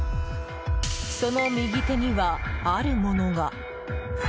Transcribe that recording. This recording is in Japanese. その右手には、あるものが。